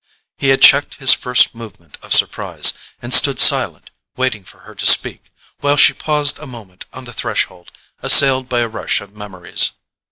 He had checked his first movement of surprise, and stood silent, waiting for her to speak, while she paused a moment on the threshold, assailed by a rush of memories.